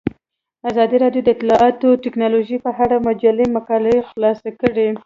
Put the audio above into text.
ازادي راډیو د اطلاعاتی تکنالوژي په اړه د مجلو مقالو خلاصه کړې.